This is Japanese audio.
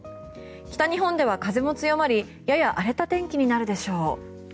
北日本では風も強まりやや荒れた天気になるでしょう。